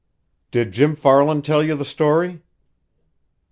"Did Jim Farland tell you the story?"